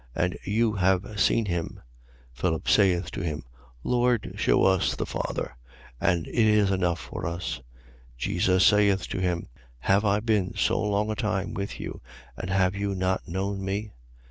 And you have seen him. 14:8. Philip saith to him: Lord, shew us the Father; and it is enough for us. 14:9. Jesus saith to him: Have I been so long a time with you and have you not known me?